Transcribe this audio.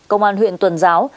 công an huyện tuần giáo